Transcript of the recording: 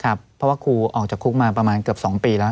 เพราะว่าครูออกจากคุกมาประมาณเกือบ๒ปีแล้ว